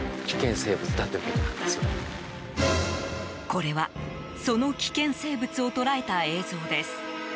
これはその危険生物を捉えた映像です。